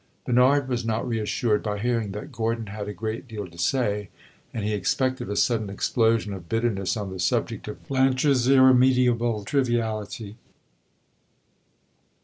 Bernard was not re assured by hearing that Gordon had a great deal to say, and he expected a sudden explosion of bitterness on the subject of Blanche's irremediable triviality.